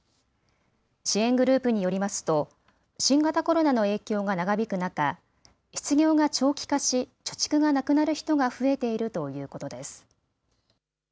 支援グループによりますと新型コロナの影響が長引く中、失業が長期化し貯蓄がなくなる人が増えているということです。